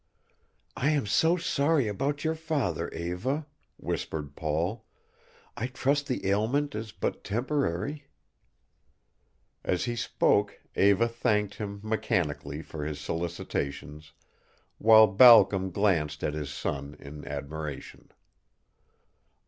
"I am so sorry about your father, Eva," whispered Paul. "I trust the ailment is but temporary." As he spoke Eva thanked him mechanically for his solicitations, while Balcom glanced at his son in admiration.